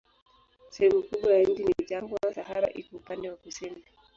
Sehemu kubwa ya nchi ni jangwa, Sahara iko upande wa kusini.